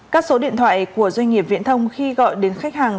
các số điện thoại của doanh nghiệp viễn thông khi gọi đến khách hàng